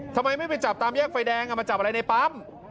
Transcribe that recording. ทำไมไม่ไปจับตามแยกไฟแดงมาจับอะไรในปั๊ม